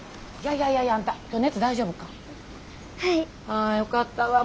ああよかったわ。